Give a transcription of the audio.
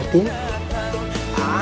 aku tahu maksudnya